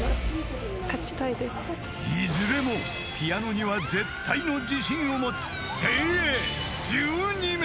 ［いずれもピアノには絶対の自信を持つ精鋭１２名］